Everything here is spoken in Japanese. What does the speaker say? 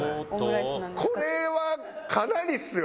これはかなりっすよ。